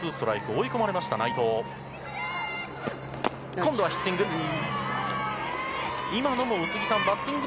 今度はヒッティング。